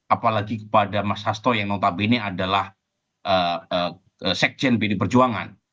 apalagi kepada mas hasto yang notabene adalah sekjen bd perjuangan